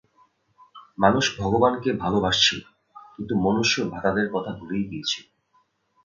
মানুষ ভগবানকে ভালবাসছিল, কিন্তু মনুষ্য-ভ্রাতাদের কথা ভুলেই গিয়েছিল।